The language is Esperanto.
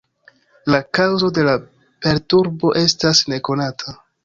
La kaŭzo de la perturbo estas nekonata.